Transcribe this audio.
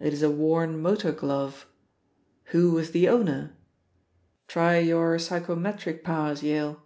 "It is a worn motor glove. Who was the owner? Try your psychometric powers, Yale."